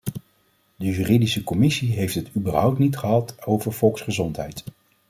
De juridische commissie heeft het überhaupt niet gehad over volksgezondheid.